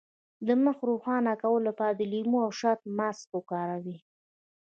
د مخ د روښانه کولو لپاره د لیمو او شاتو ماسک وکاروئ